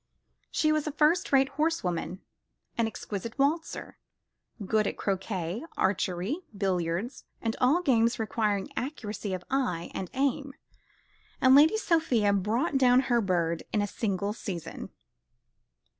She was a first rate horsewoman, an exquisite waltzer, good at croquet, archery, billiards, and all games requiring accuracy of eye and aim, and Lady Sophia brought down her bird in a single season.